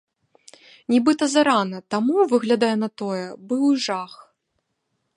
Нібыта зарана, таму, выглядае на тое, быў і жах.